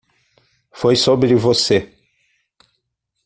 Foi sobre você.